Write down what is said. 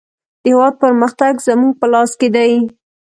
د هېواد پرمختګ زموږ په لاس کې دی.